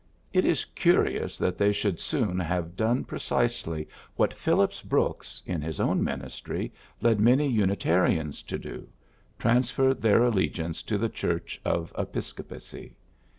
It is curious that they should soon have done precisely what Phillips Brooks, in his own ministry, led many Unitarians to do, transfer their allegiance to the church of Epis copacy.